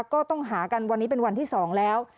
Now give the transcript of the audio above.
ก็ต้องหากันวันนี้เป็นวันที่๒แล้ว